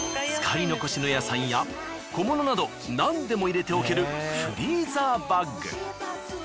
使い残しの野菜や小物などなんでも入れておけるフリーザーバッグ。